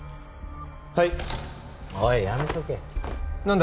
はいおいやめとけ何だ？